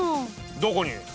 どこに？